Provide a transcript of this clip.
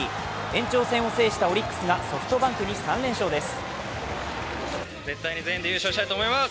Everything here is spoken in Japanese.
延長戦を制したオリックスがソフトバンクに３連勝です。